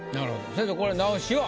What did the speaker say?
先生これ直しは？